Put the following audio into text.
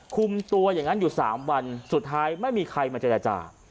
คุมตัวอย่างนั้นอยู่๓วันสุดท้ายไม่มีใครมาเจรจา